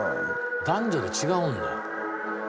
男女で違うんだ。